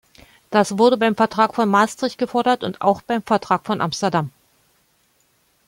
Das wurde beim Vertrag von Maastricht gefordert und auch beim Vertrag von Amsterdam.